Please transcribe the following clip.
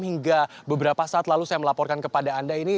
hingga beberapa saat lalu saya melaporkan kepada anda ini